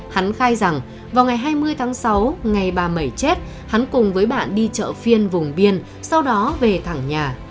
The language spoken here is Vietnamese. hắn khai rằng vào ngày hai mươi tháng sáu ngày bà mẩy chết hắn cùng với bạn đi chợ phiên vùng biên sau đó về thẳng nhà